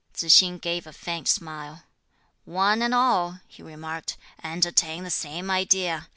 Tzu hsing gave a faint smile. "One and all," he remarked, "entertain the same idea.